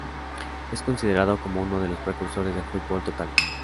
Es considerado como uno de los precursores del fútbol total.